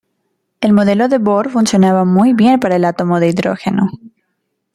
El modelo de Bohr funcionaba muy bien para el átomo de hidrógeno.